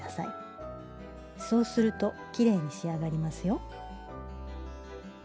そうするときれいに仕上がりますよ。